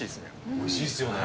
美味しいですよね。